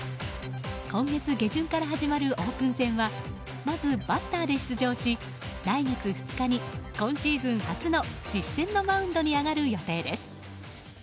今月下旬から始まるオープン戦はまずバッターで出場し来月２日に、今シーズン初の実戦のマウンドに上がる予定です。